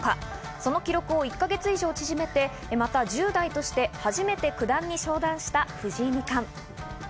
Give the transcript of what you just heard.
その記録を１か月以上縮めて、また１０代として初めて九段に昇段した藤井二冠。